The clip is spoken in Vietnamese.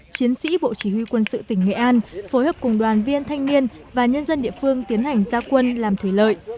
chiến sĩ bộ chỉ huy quân sự tỉnh nghệ an phối hợp cùng đoàn viên thanh niên và nhân dân địa phương tiến hành gia quân làm thủy lợi